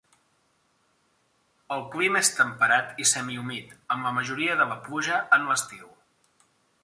El clima és temperat i semihumit amb la majoria de la pluja en l'estiu.